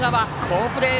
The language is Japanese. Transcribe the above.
好プレー！